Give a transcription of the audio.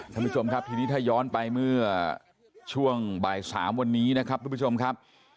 ท่านผู้ชมครับทีนี้ถ้าย้อนไปเมื่อช่วงบ่าย๓วันนี้นะครับทุกผู้ชมครับ